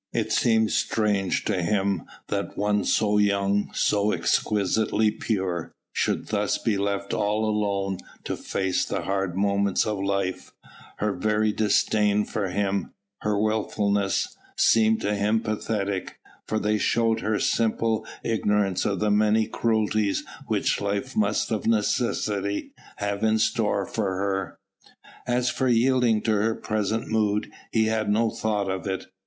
It seemed strange to him that one so young, so exquisitely pure, should thus be left all alone to face the hard moments of life; her very disdain for him, her wilfulness, seemed to him pathetic, for they showed her simple ignorance of the many cruelties which life must of necessity have in store for her. As for yielding to her present mood, he had no thought of it.